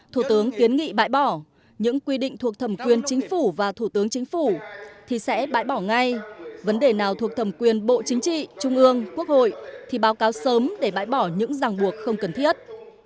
thủ tướng kiến nghị bãi bỏ những quy định thuộc thẩm quyền chính phủ và thủ tướng chính phủ thì sẽ bãi bỏ ngay vấn đề nào thuộc thẩm quyền bộ chính trị trung ương quốc hội thì báo cáo sớm để bãi bỏ những ràng buộc không cần thiết